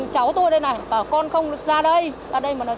chú đê điều là chú không xuống